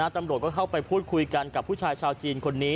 ตำรวจก็เข้าไปพูดคุยกันกับผู้ชายชาวจีนคนนี้